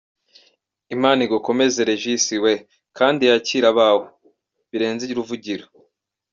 Imana igukomeze Regis we kdi yakire abawe! birenze uruvugiro!.